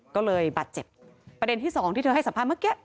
ก็เลยบาดเจ็บประเด็นที่สองที่เธอให้สัมภาษณ์เมื่อกี้